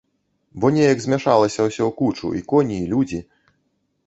Бо неяк змяшалася ўсё ў кучу, і коні, і людзі.